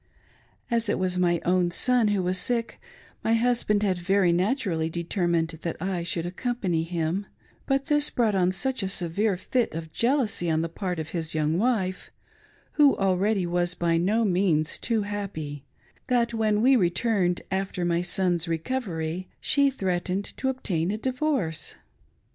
As it was my own son who was sick, my husband had very naturally determined that I should accompany him ■, but this brought on such a severe fit of jealousy on the part of his young wife, who already was by no means too happy> that when we returned, after my son's recovery, she threatened to obtain a divorce.